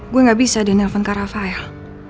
gue gak bisa dinyelpon ke rafael